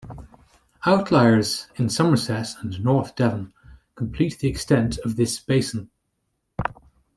Outliers in Somerset and north Devon complete the extent of this basin.